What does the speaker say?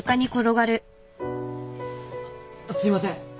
あっすいません。